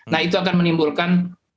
nah itu akan menimbulkan